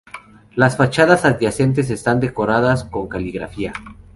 Las fachadas adyacentes están decoradas con caligrafía.